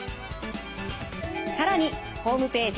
更にホームページ